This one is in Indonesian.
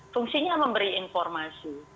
fungsinya memberi informasi